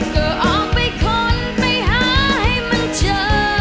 ก็ออกไปค้นไปหาให้มันเจอ